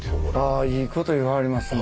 あいいこと言わはりますね。